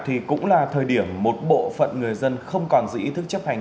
thì cũng là thời điểm một bộ phận người dân không còn giữ ý thức chấp hành